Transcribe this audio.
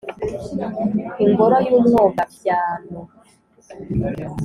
ingoro y’umwogabyano.